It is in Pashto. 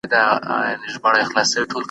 زه بايد سبزېجات وچوم.